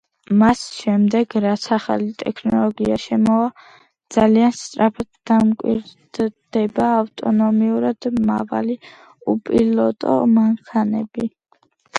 მას შემდეგ, რაც ახალი ტექნოლოგია შემოვა, ძალიან სწრაფად დამკვიდრდება ავტონომიურად მავალი, უპილოტო მანქანები.